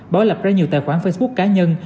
bảo lập ra nhiều tài khoản facebook cá nhân